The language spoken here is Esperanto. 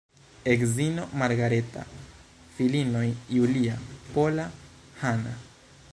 Edzino Margareta, filinoj Julia, Pola, Hanna.